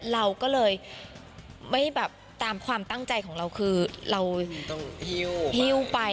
เราก็เลยไม่แบบตามความตั้งใจของเราคือเราหิ้วไป